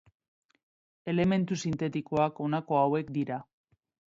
Elementu sintetikoak honako hauek dira.